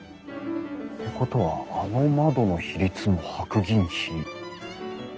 ってことはあの窓の比率も白銀比。